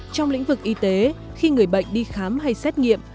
trong lĩnh vực y tế khi người bệnh đi khám hay xét nghiệm